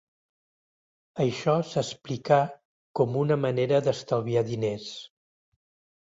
Això s'explicà com una manera d'estalviar diners.